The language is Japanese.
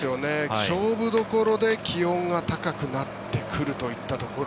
勝負どころで気温が高くなっていくところ。